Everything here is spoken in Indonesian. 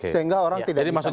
sehingga orang tidak bisa diuji